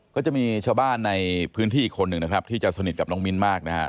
ก็จะมีชาวบ้านในพื้นที่อีกคนหนึ่งนะครับที่จะสนิทกับน้องมิ้นมากนะฮะ